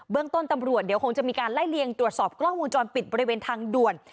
เรื่องต้นตำรวจเดี๋ยวคงจะมีการไล่เลียงตรวจสอบกล้องวงจรปิดบริเวณทางด่วน